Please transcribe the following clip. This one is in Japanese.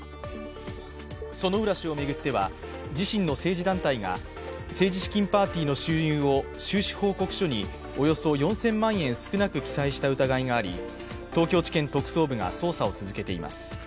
薗浦氏を巡っては自身の政治団体が政治資金パーティーの収入を収支報告書におよそ４０００万円少なく記載した疑いがあり、東京地検特捜部が捜査を続けています。